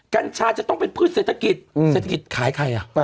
กัญชาจะต้องเป็นพืชเศรษฐกิจเศรษฐกิจขายใครอ่ะ